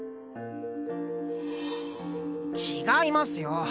違いますよ。